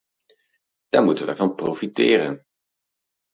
Daar moeten wij van profiteren.